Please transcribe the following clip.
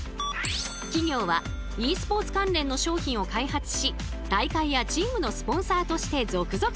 企業はｅスポーツ関連の商品を開発し大会やチームのスポンサーとして続々参入。